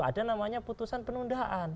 ada namanya putusan penundaan